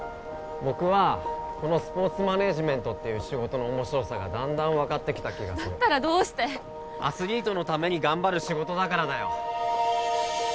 僕はこのスポーツマネージメントっていう仕事の面白さがだんだん分かってきた気がするだったらどうしてアスリートのために頑張る仕事だからだよ